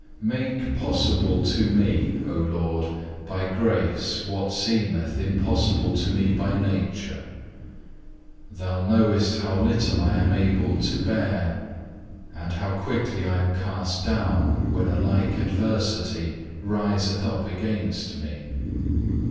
5. Make possible to me, O Lord, by grace what seemeth impossible to me by nature. Thou knowest how little I am able to bear, and how quickly I am cast down when a like adversity riseth up against me.